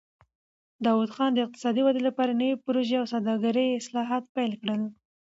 داوود خان د اقتصادي ودې لپاره نوې پروژې او د سوداګرۍ اصلاحات پیل کړل.